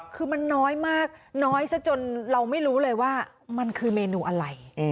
คือมันน้อยมากน้อยซะจนเราไม่รู้เลยว่ามันคือเมนูอะไร